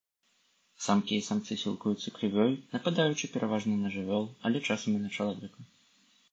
Самкі і самцы сілкуюцца крывёй, нападаючы пераважна на жывёл, але часам і на чалавека.